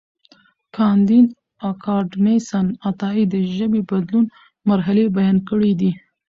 کانديد اکاډميسن عطايي د ژبې د بدلون مرحلې بیان کړې دي.